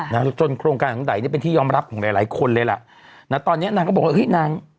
นางจนโครงการของดำไดก็จะเป็นที่ยอมรับของหลายคนเลยล่ะน้าตอนนี้นางก็บอกว่านาง